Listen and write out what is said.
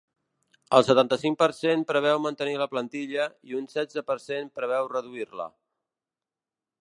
El setanta-cinc per cent preveu mantenir la plantilla i un setze per cent preveu reduir-la.